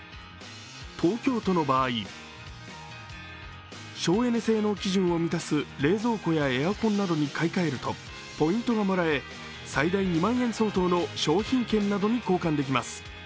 東京都の場合、省エネ基準を満たす冷蔵庫やエアコンに買い替えるとポイントがもらえ最大２万円相当の商品券などに交換できます。